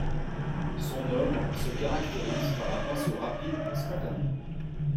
Son œuvre se caractérise par un pinceau rapide et spontané.